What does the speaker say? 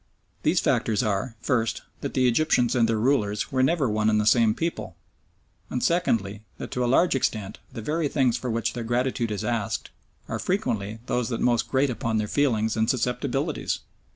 These factors are first, that the Egyptians and their rulers were never one and the same people, and secondly, that to a large extent the very things for which their gratitude is asked are frequently those that most grate upon their feelings and susceptibilities.